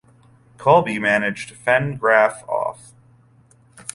Kolbe managed to fend Graf off.